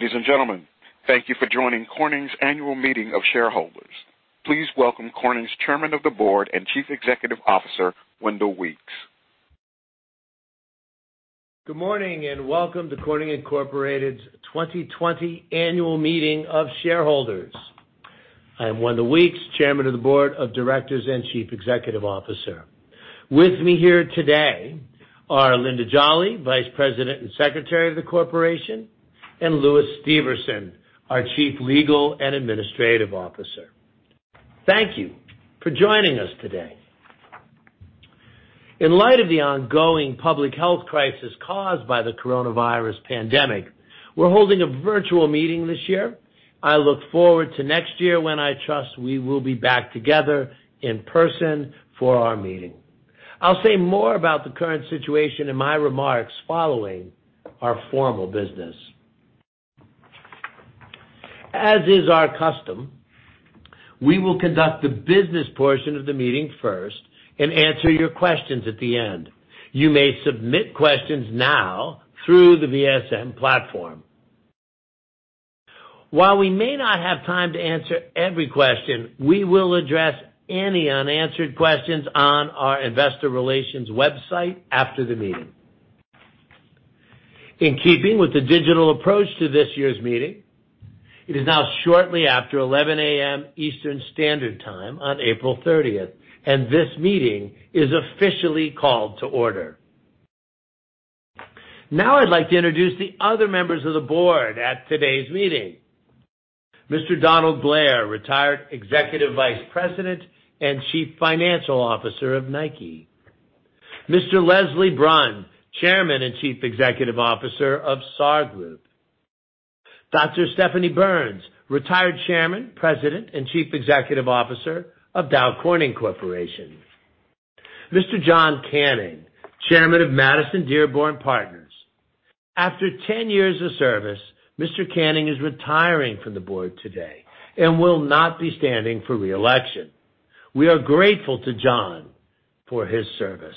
Ladies and gentlemen, thank you for joining Corning's annual meeting of shareholders. Please welcome Corning's Chairman of the Board and Chief Executive Officer, Wendell Weeks. Good morning, welcome to Corning Incorporated's 2020 annual meeting of shareholders. I am Wendell Weeks, chairman of the board of directors and chief executive officer. With me here today are Linda Jolly, Vice President and Secretary of the Corporation, and Lewis Steverson, our Chief Legal and Administrative Officer. Thank you for joining us today. In light of the ongoing public health crisis caused by the coronavirus pandemic, we're holding a virtual meeting this year. I look forward to next year when I trust we will be back together in person for our meeting. I'll say more about the current situation in my remarks following our formal business. As is our custom, we will conduct the business portion of the meeting first and answer your questions at the end. You may submit questions now through the VSM platform. While we may not have time to answer every question, we will address any unanswered questions on our investor relations website after the meeting. In keeping with the digital approach to this year's meeting, it is now shortly after 11:00 A.M. Eastern Standard Time on April 30th, this meeting is officially called to order. I'd like to introduce the other members of the board at today's meeting. Mr. Donald Blair, retired Executive Vice President and Chief Financial Officer of Nike. Mr. Leslie Brun, Chairman and Chief Executive Officer of Sarr Group. Dr. Stephanie Burns, retired Chairman, President, and Chief Executive Officer of Dow Corning Corporation. Mr. John Canning, Chairman of Madison Dearborn Partners. After 10 years of service, Mr. Canning is retiring from the board today will not be standing for re-election. We are grateful to John for his service.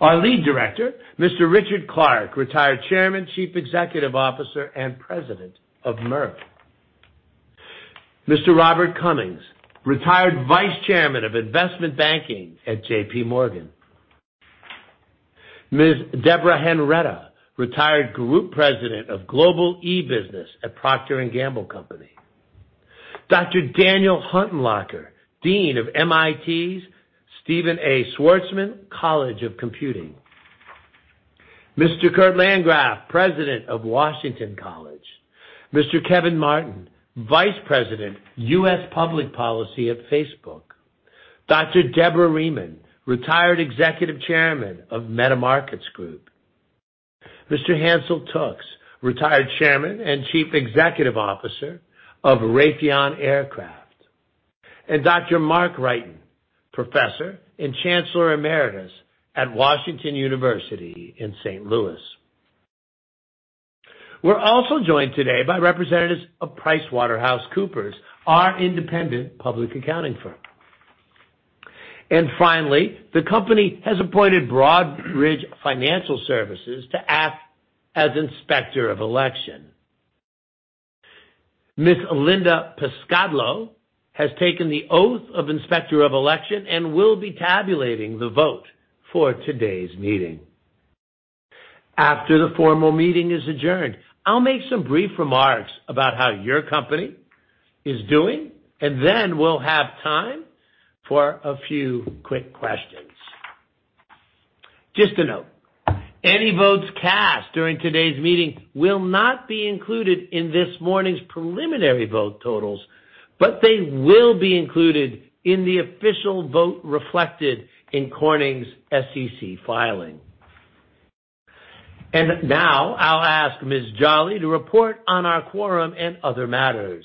Our lead director, Mr. Richard Clark, retired Chairman, Chief Executive Officer, and President of Merck. Mr. Robert Cummings, retired Vice Chairman of Investment Banking at JPMorgan. Ms. Deborah Henretta, retired Group President of Global E-business at Procter & Gamble Company. Dr. Daniel Huttenlocher, dean of MIT's Stephen A. Schwarzman College of Computing. Mr. Kurt Landgraf, president of Washington College. Mr. Kevin Martin, Vice President, U.S. public policy at Facebook. Dr. Deborah Rieman, retired Executive Chairman of Metamarkets Group. Mr. Hansel Tookes, retired Chairman and Chief Executive Officer of Raytheon Aircraft. Dr. Mark Wrighton, Professor and Chancellor Emeritus at Washington University in St. Louis. We're also joined today by representatives of PricewaterhouseCoopers, our independent public accounting firm. Finally, the company has appointed Broadridge Financial Solutions to act as inspector of election. Ms. Linda Piscitello has taken the oath of inspector of election and will be tabulating the vote for today's meeting. After the formal meeting is adjourned, I'll make some brief remarks about how your company is doing, and then we'll have time for a few quick questions. Just a note, any votes cast during today's meeting will not be included in this morning's preliminary vote totals, but they will be included in the official vote reflected in Corning's SEC filing. Now I'll ask Ms. Jolly to report on our quorum and other matters.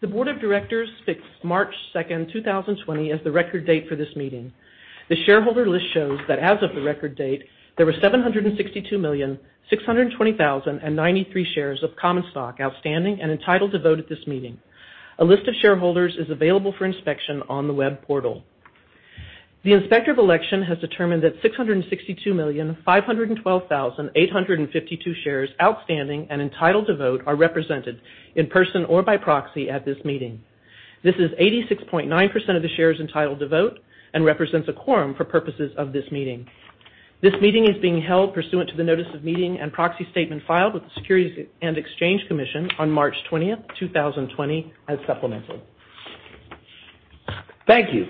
The board of directors fixed March 2nd, 2020, as the record date for this meeting. The shareholder list shows that as of the record date, there were 762,620,093 shares of common stock outstanding and entitled to vote at this meeting. A list of shareholders is available for inspection on the web portal. The inspector of election has determined that 662,512,852 shares outstanding and entitled to vote are represented in person or by proxy at this meeting. This is 86.9% of the shares entitled to vote and represents a quorum for purposes of this meeting. This meeting is being held pursuant to the notice of meeting and proxy statement filed with the Securities and Exchange Commission on March 20th, 2020, as supplemented. Thank you.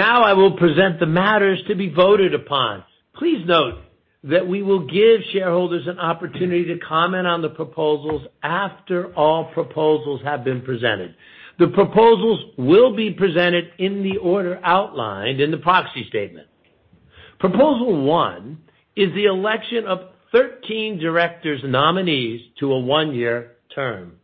I will present the matters to be voted upon. Please note that we will give shareholders an opportunity to comment on the proposals after all proposals have been presented. The proposals will be presented in the order outlined in the proxy statement. Proposal one is the election of 13 director's nominees to a one-year term.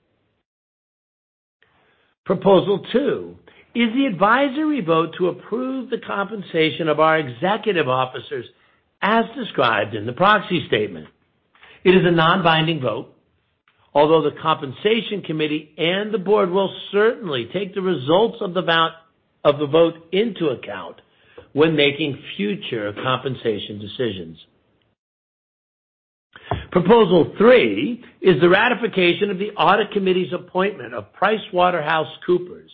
Proposal two is the advisory vote to approve the compensation of our executive officers as described in the proxy statement. It is a non-binding vote. The compensation committee and the board will certainly take the results of the vote into account when making future compensation decisions. Proposal three is the ratification of the audit committee's appointment of PricewaterhouseCoopers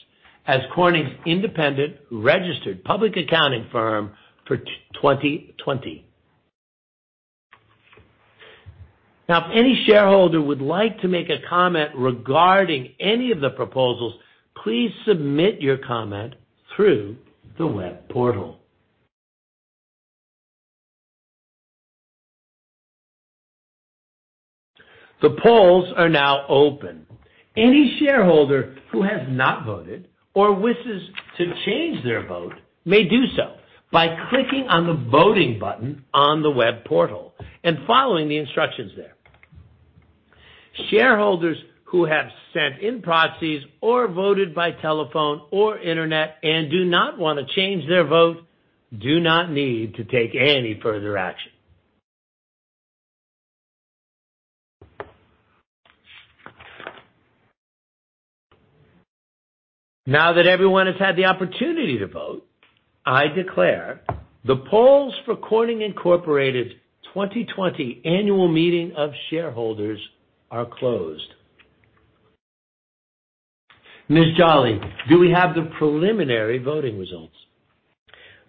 as Corning's independent registered public accounting firm for 2020. If any shareholder would like to make a comment regarding any of the proposals, please submit your comment through the web portal. The polls are now open. Any shareholder who has not voted or wishes to change their vote may do so by clicking on the voting button on the web portal and following the instructions there. Shareholders who have sent in proxies or voted by telephone or internet and do not want to change their vote do not need to take any further action. Now that everyone has had the opportunity to vote, I declare the polls for Corning Incorporated 2020 annual meeting of shareholders are closed. Ms. Jolly, do we have the preliminary voting results?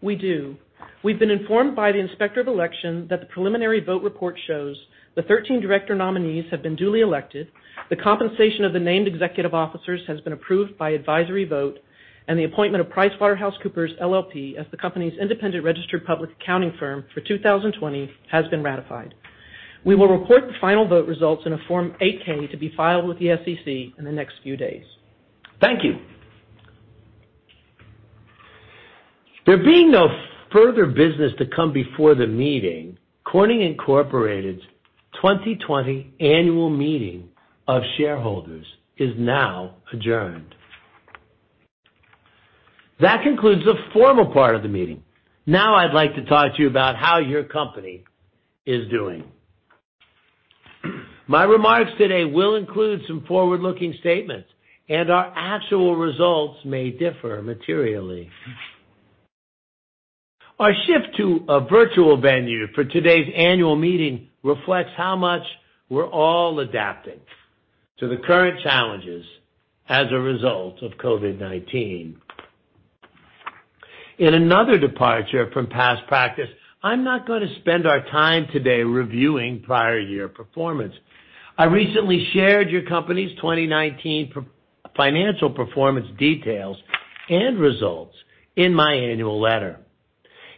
We do. We've been informed by the Inspector of Election that the preliminary vote report shows the 13 director nominees have been duly elected, the compensation of the named executive officers has been approved by advisory vote, and the appointment of PricewaterhouseCoopers LLP as the company's independent registered public accounting firm for 2020 has been ratified. We will report the final vote results in a Form 8-K to be filed with the SEC in the next few days. Thank you. There being no further business to come before the meeting, Corning Incorporated's 2020 annual meeting of shareholders is now adjourned. That concludes the formal part of the meeting. Now I'd like to talk to you about how your company is doing. My remarks today will include some forward-looking statements, and our actual results may differ materially. Our shift to a virtual venue for today's annual meeting reflects how much we're all adapting to the current challenges as a result of COVID-19. In another departure from past practice, I'm not going to spend our time today reviewing prior year performance. I recently shared your company's 2019 financial performance details and results in my annual letter,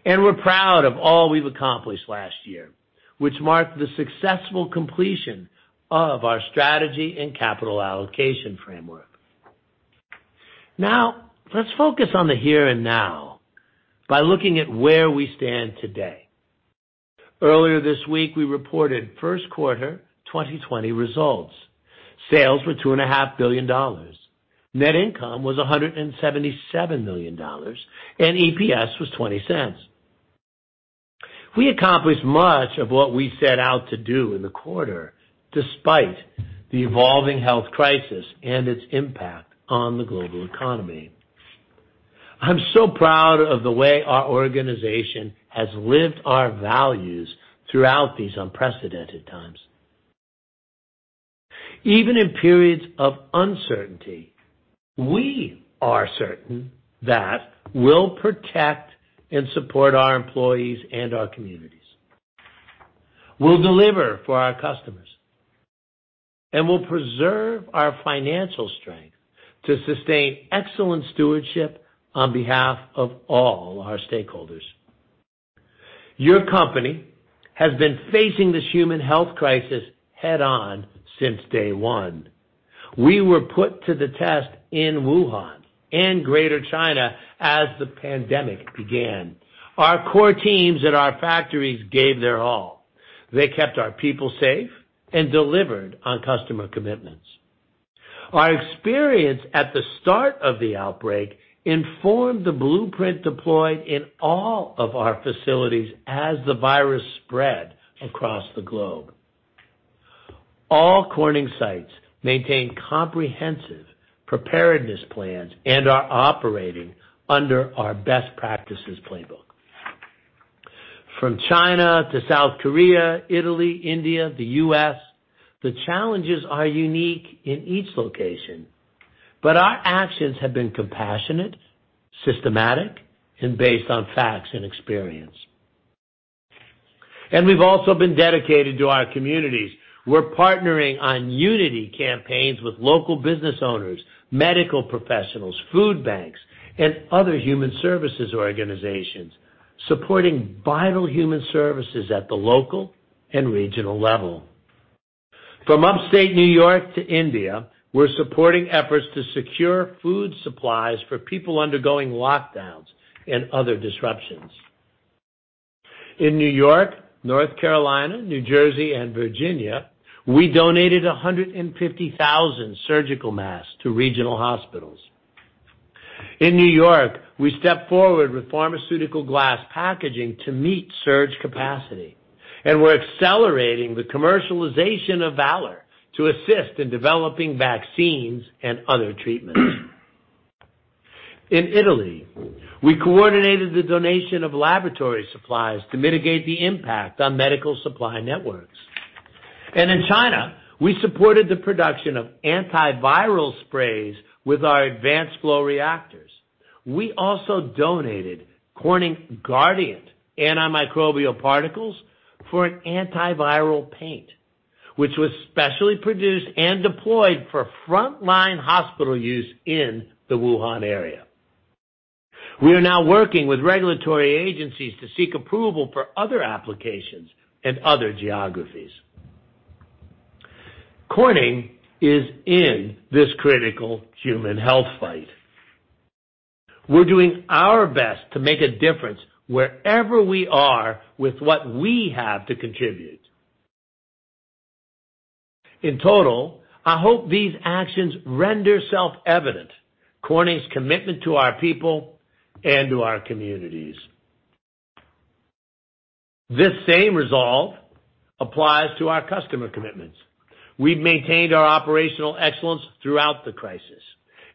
and we're proud of all we've accomplished last year, which marked the successful completion of our strategy and capital allocation framework. Let's focus on the here and now by looking at where we stand today. Earlier this week, we reported first quarter 2020 results. Sales were $2.5 billion. Net income was $177 million, and EPS was $0.20. We accomplished much of what we set out to do in the quarter, despite the evolving health crisis and its impact on the global economy. I'm so proud of the way our organization has lived our values throughout these unprecedented times. Even in periods of uncertainty, we are certain that we'll protect and support our employees and our communities. We'll deliver for our customers, and we'll preserve our financial strength to sustain excellent stewardship on behalf of all our stakeholders. Your company has been facing this human health crisis head-on since day one. We were put to the test in Wuhan and Greater China as the pandemic began. Our core teams at our factories gave their all. They kept our people safe and delivered on customer commitments. Our experience at the start of the outbreak informed the blueprint deployed in all of our facilities as the virus spread across the globe. All Corning sites maintain comprehensive preparedness plans and are operating under our best practices playbook. From China to South Korea, Italy, India, the U.S., the challenges are unique in each location, but our actions have been compassionate, systematic, and based on facts and experience. We've also been dedicated to our communities. We're partnering on unity campaigns with local business owners, medical professionals, food banks, and other human services organizations, supporting vital human services at the local and regional level. From Upstate New York to India, we're supporting efforts to secure food supplies for people undergoing lockdowns and other disruptions. In New York, North Carolina, New Jersey, and Virginia, we donated 150,000 surgical masks to regional hospitals. In New York, we stepped forward with pharmaceutical glass packaging to meet surge capacity, and we're accelerating the commercialization of Valor to assist in developing vaccines and other treatments. In Italy, we coordinated the donation of laboratory supplies to mitigate the impact on medical supply networks. In China, we supported the production of antiviral sprays with our advanced flow reactors. We also donated Corning Guardiant antimicrobial particles for an antiviral paint, which was specially produced and deployed for frontline hospital use in the Wuhan area. We are now working with regulatory agencies to seek approval for other applications in other geographies. Corning is in this critical human health fight. We're doing our best to make a difference wherever we are with what we have to contribute. In total, I hope these actions render self-evident Corning's commitment to our people and to our communities. This same resolve applies to our customer commitments. We've maintained our operational excellence throughout the crisis,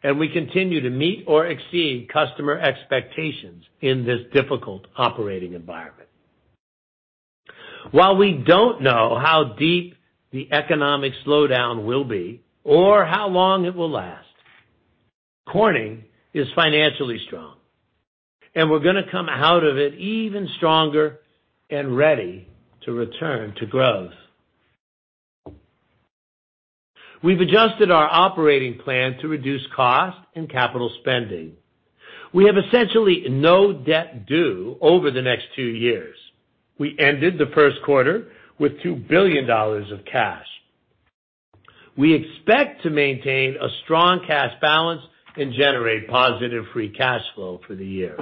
and we continue to meet or exceed customer expectations in this difficult operating environment. While we don't know how deep the economic slowdown will be, or how long it will last, Corning is financially strong, and we're going to come out of it even stronger and ready to return to growth. We've adjusted our operating plan to reduce cost and capital spending. We have essentially no debt due over the next two years. We ended the first quarter with $2 billion of cash. We expect to maintain a strong cash balance and generate positive free cash flow for the year,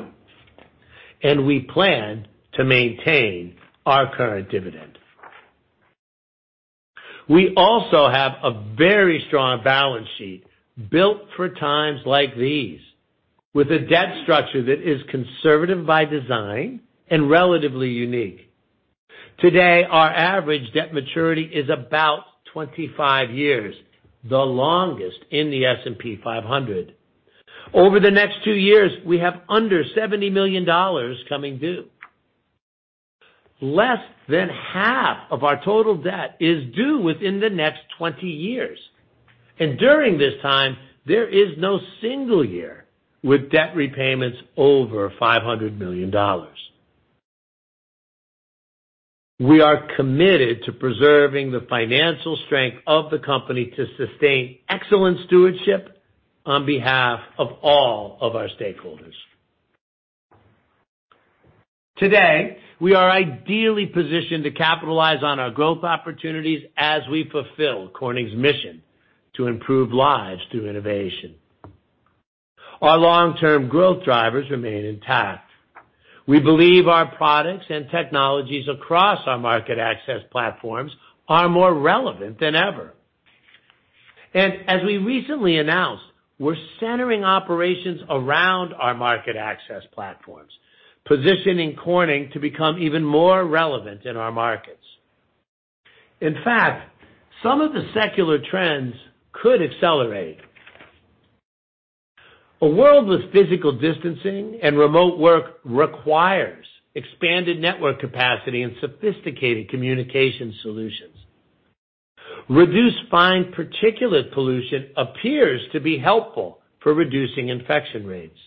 and we plan to maintain our current dividend. We also have a very strong balance sheet built for times like these with a debt structure that is conservative by design and relatively unique. Today, our average debt maturity is about 25 years, the longest in the S&P 500. Over the next two years, we have under $70 million coming due. Less than half of our total debt is due within the next 20 years, and during this time, there is no single year with debt repayments over $500 million. We are committed to preserving the financial strength of the company to sustain excellent stewardship on behalf of all of our stakeholders. Today, we are ideally positioned to capitalize on our growth opportunities as we fulfill Corning's mission to improve lives through innovation. Our long-term growth drivers remain intact. We believe our products and technologies across our market access platforms are more relevant than ever. As we recently announced, we're centering operations around our market access platforms, positioning Corning to become even more relevant in our markets. In fact, some of the secular trends could accelerate. A world with physical distancing and remote work requires expanded network capacity and sophisticated communication solutions. Reduced fine particulate pollution appears to be helpful for reducing infection rates.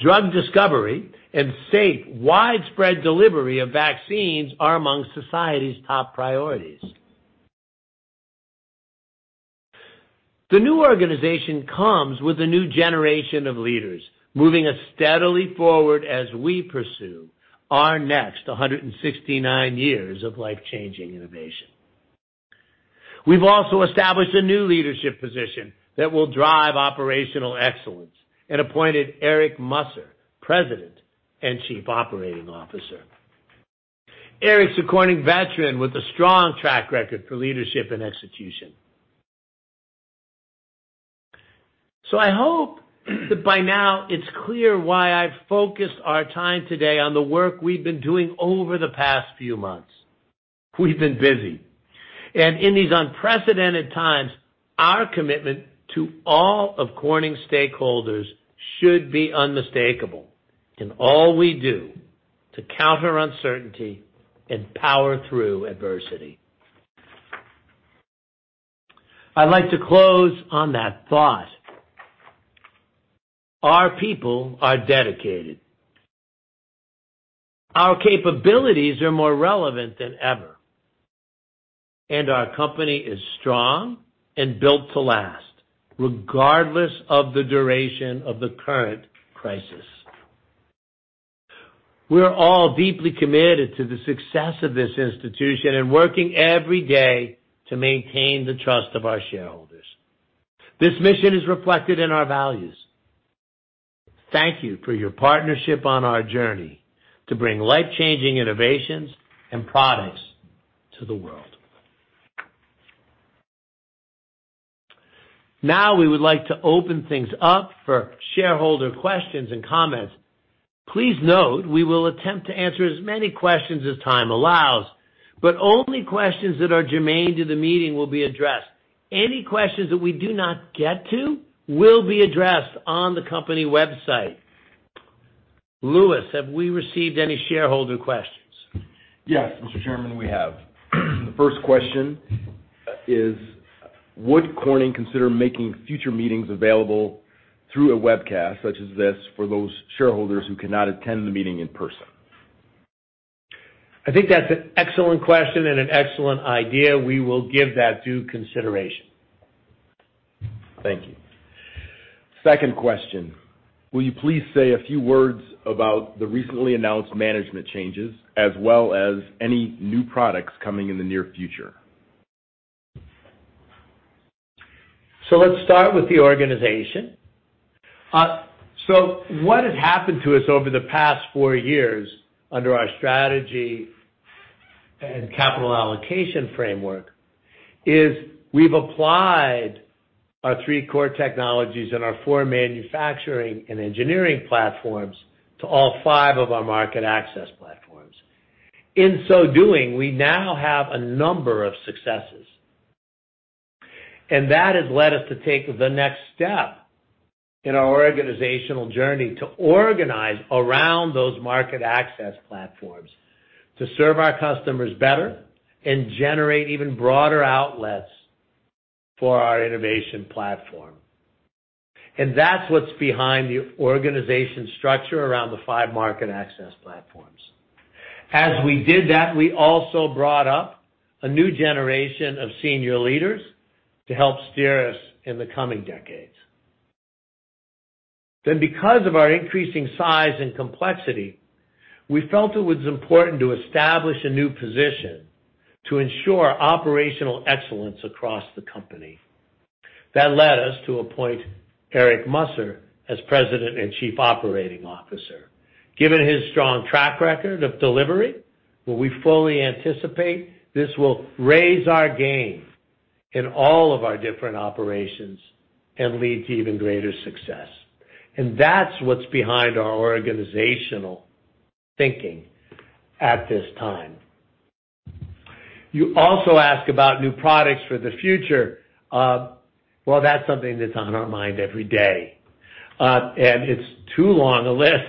Drug discovery and safe, widespread delivery of vaccines are among society's top priorities. The new organization comes with a new generation of leaders, moving us steadily forward as we pursue our next 169 years of life-changing innovation. We've also established a new leadership position that will drive operational excellence and appointed Eric Musser, President and Chief Operating Officer. Eric's a Corning veteran with a strong track record for leadership and execution. I hope that by now it's clear why I've focused our time today on the work we've been doing over the past few months. We've been busy, and in these unprecedented times, our commitment to all of Corning's stakeholders should be unmistakable in all we do to counter uncertainty and power through adversity. I'd like to close on that thought. Our people are dedicated. Our capabilities are more relevant than ever, and our company is strong and built to last, regardless of the duration of the current crisis. We're all deeply committed to the success of this institution and working every day to maintain the trust of our shareholders. This mission is reflected in our values. Thank you for your partnership on our journey to bring life-changing innovations and products to the world. Now we would like to open things up for shareholder questions and comments. Please note we will attempt to answer as many questions as time allows, but only questions that are germane to the meeting will be addressed. Any questions that we do not get to will be addressed on the company website. Lewis, have we received any shareholder questions? Yes, Mr. Chairman, we have. The first question is: Would Corning consider making future meetings available through a webcast such as this for those shareholders who cannot attend the meeting in person? I think that's an excellent question and an excellent idea. We will give that due consideration. Thank you. Second question: Will you please say a few words about the recently announced management changes, as well as any new products coming in the near future? Let's start with the organization. What has happened to us over the past four years under our strategy and capital allocation framework is we've applied our three core technologies and our four manufacturing and engineering platforms to all five of our market access platforms. In so doing, we now have a number of successes. That has led us to take the next step in our organizational journey to organize around those market access platforms to serve our customers better and generate even broader outlets for our innovation platform. That's what's behind the organization structure around the five market access platforms. As we did that, we also brought up a new generation of senior leaders to help steer us in the coming decades. Because of our increasing size and complexity, we felt it was important to establish a new position to ensure operational excellence across the company. That led us to appoint Eric Musser as President and Chief Operating Officer. Given his strong track record of delivery, we fully anticipate this will raise our game in all of our different operations and lead to even greater success. That's what's behind our organizational thinking at this time. You also ask about new products for the future. That's something that's on our mind every day, and it's too long a list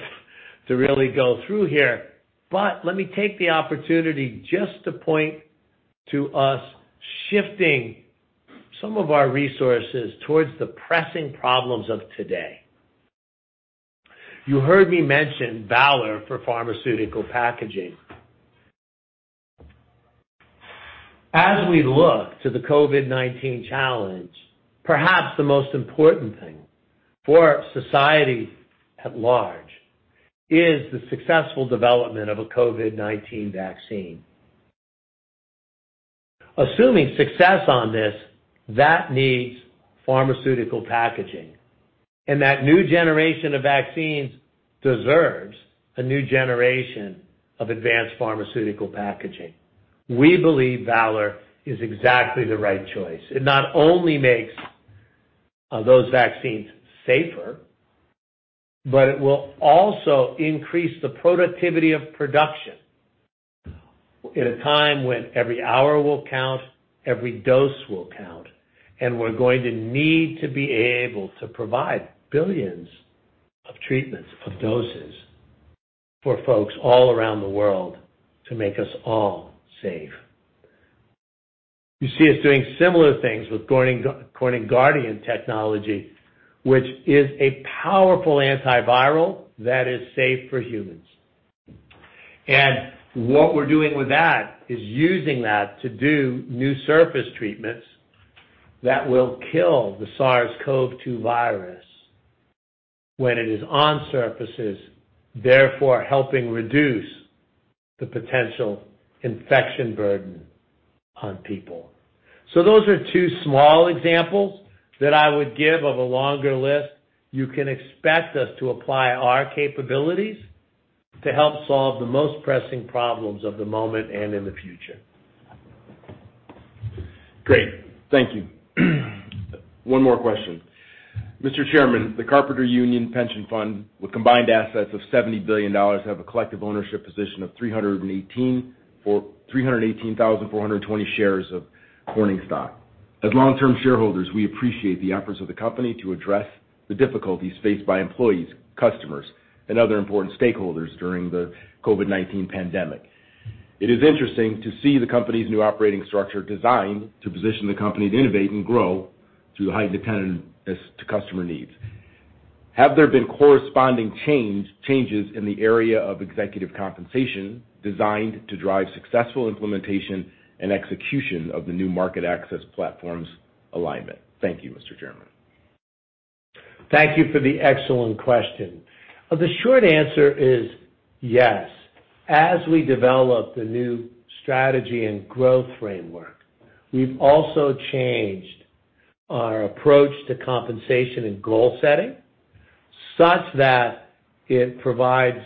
to really go through here. Let me take the opportunity just to point to us shifting some of our resources towards the pressing problems of today. You heard me mention Valor for pharmaceutical packaging. As we look to the COVID-19 challenge, perhaps the most important thing for society at large is the successful development of a COVID-19 vaccine. Assuming success on this, that needs pharmaceutical packaging, and that new generation of vaccines deserves a new generation of advanced pharmaceutical packaging. We believe Valor is exactly the right choice. It not only makes those vaccines safer, but it will also increase the productivity of production at a time when every hour will count, every dose will count, and we're going to need to be able to provide billions of treatments, of doses for folks all around the world to make us all safe. You see us doing similar things with Corning Guardiant Technology, which is a powerful antiviral that is safe for humans. What we're doing with that is using that to do new surface treatments that will kill the SARS-CoV-2 virus when it is on surfaces, therefore helping reduce the potential infection burden on people. Those are two small examples that I would give of a longer list. You can expect us to apply our capabilities to help solve the most pressing problems of the moment and in the future. Great. Thank you. One more question. Mr. Chairman, the Carpenters Pension Fund, with combined assets of $70 billion, have a collective ownership position of 318,420 shares of Corning stock. As long-term shareholders, we appreciate the efforts of the company to address the difficulties faced by employees, customers, and other important stakeholders during the COVID-19 pandemic. It is interesting to see the company's new operating structure designed to position the company to innovate and grow through heightened attendance to customer needs. Have there been corresponding changes in the area of executive compensation designed to drive successful implementation and execution of the new market access platforms alignment? Thank you, Mr. Chairman. Thank you for the excellent question. The short answer is yes. As we develop the new strategy and growth framework, we've also changed our approach to compensation and goal setting such that it provides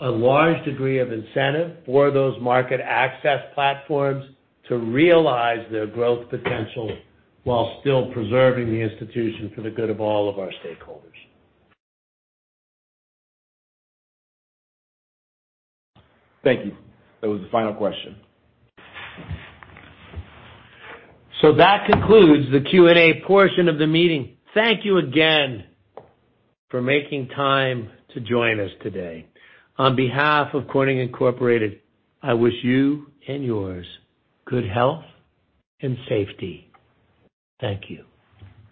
a large degree of incentive for those market access platforms to realize their growth potential while still preserving the institution for the good of all of our stakeholders. Thank you. That was the final question. That concludes the Q&A portion of the meeting. Thank you again for making time to join us today. On behalf of Corning Incorporated, I wish you and yours good health and safety. Thank you.